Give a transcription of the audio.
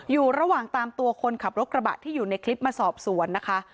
อยู่ระหว่างตามตัวคนขับรถกระบะที่อยู่ในคลิปมาสอบสวนนะคะ